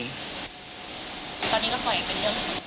ตอนนี้ก็ปล่อยกันเยอะ